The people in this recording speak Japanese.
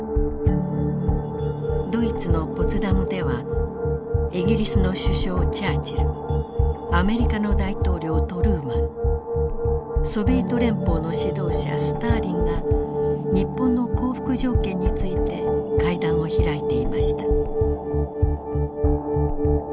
ドイツのポツダムではイギリスの首相チャーチルアメリカの大統領トルーマンソビエト連邦の指導者スターリンが日本の降伏条件について会談を開いていました。